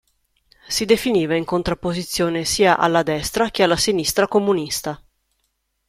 Si definiva in contrapposizione sia alla "destra che alla sinistra comunista".